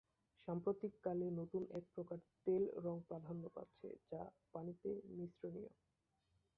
সাম্প্রতিককালে, নতুন এক প্রকার তেল রঙ প্রাধান্য পাচ্ছে, যা পানিতে মিশ্রনীয়।